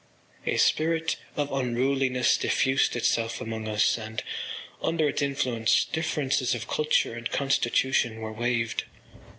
A spirit of unruliness diffused itself among us and, under its influence, differences of culture and constitution were waived.